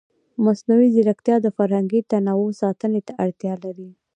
مصنوعي ځیرکتیا د فرهنګي تنوع ساتنې ته اړتیا لري.